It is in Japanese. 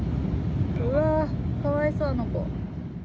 うわー、かわいそう、あの子。